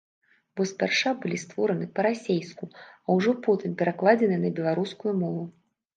Бо спярша былі створаны па-расейску, а ўжо потым перакладзеныя на беларускую мову.